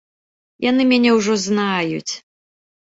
Яны мяне ўжо знаюць.